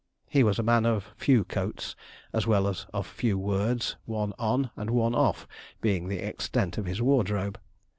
He was a man of few coats, as well as of few words; one on, and one off, being the extent of his wardrobe.